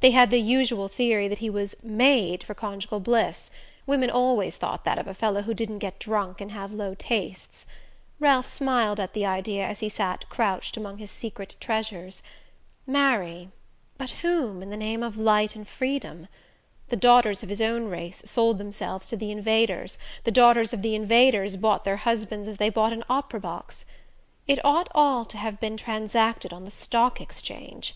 They had the usual theory that he was "made" for conjugal bliss: women always thought that of a fellow who didn't get drunk and have low tastes. Ralph smiled at the idea as he sat crouched among his secret treasures. Marry but whom, in the name of light and freedom? The daughters of his own race sold themselves to the Invaders; the daughters of the Invaders bought their husbands as they bought an opera box. It ought all to have been transacted on the Stock Exchange.